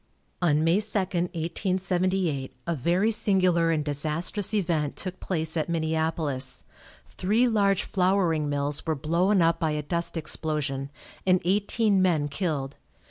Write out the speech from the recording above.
On May 2, 1878, a very singular and disastrous event took place at Minneapolis. Three large flouring mills were blown up by a dust explosion, and eighteen men killed.